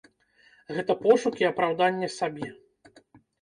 Гэта пошукі апраўдання сабе.